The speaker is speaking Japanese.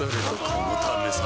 このためさ